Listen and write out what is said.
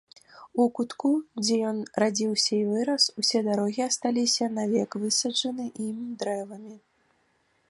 У кутку, дзе ён радзіўся і вырас, усе дарогі асталіся навек высаджаны ім дрэвамі.